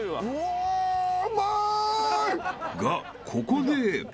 ［がここで］